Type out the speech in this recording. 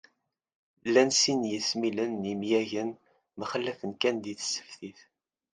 Llan sin n yesmilen n yemyagen, mxallafen kan di tseftit